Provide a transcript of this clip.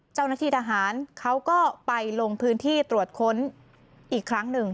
เจ้าหน้าที่ทหารเขาก็ไปลงพื้นที่ตรวจค้นอีกครั้งหนึ่ง